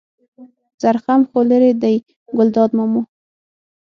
زرخم خو لېرې دی ګلداد ماما.